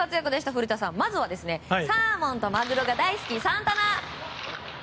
古田さん、まずはサーモンとマグロが大好きサンタナ。